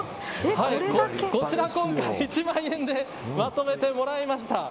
こちら今回、１万円でまとめてもらいました。